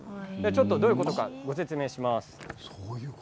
どういうことか、ご説明します。